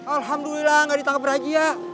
alhamdulillah nggak ditangkap ragi ya